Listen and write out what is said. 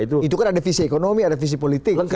itu kan ada visi ekonomi ada visi politik